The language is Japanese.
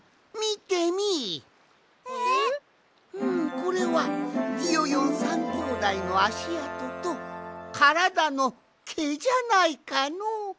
これはビヨヨン３きょうだいのあしあととからだのけじゃないかのう。